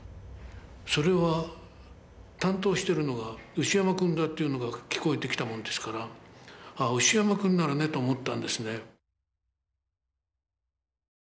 それは担当してるのが牛山君だというのが聞こえてきたもんですからああ牛山君ならねと思ったんですね。